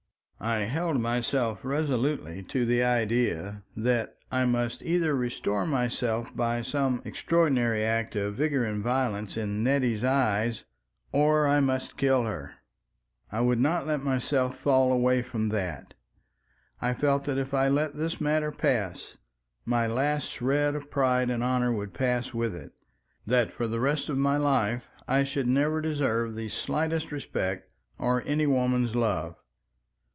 I held myself resolutely to the idea that I must either restore myself by some extraordinary act of vigor and violence in Nettie's eyes or I must kill her. I would not let myself fall away from that. I felt that if I let this matter pass, my last shred of pride and honor would pass with it, that for the rest of my life I should never deserve the slightest respect or any woman's love.